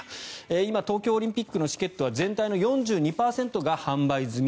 今、東京オリンピックのチケットは全体の４２％が販売済み。